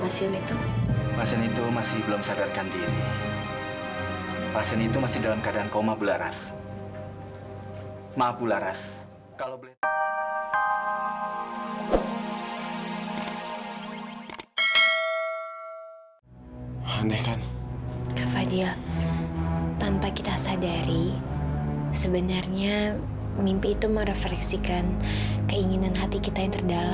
sampai jumpa di video selanjutnya